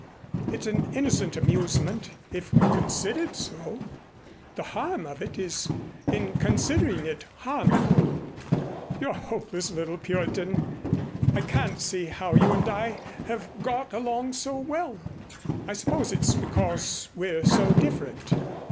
It's an innocent amusement, if considered so. The harm of it is in considering it harmful. You're a hopeless little Puritan. I can't see how you and I have got along so well. I suppose it's because we're so different."